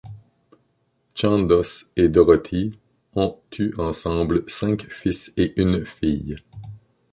Chandos et Dorothy ont eu ensemble cinq fils et une fille.